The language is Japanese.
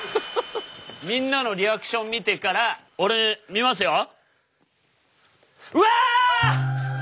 みんなのリアクション見てから俺見ますよ？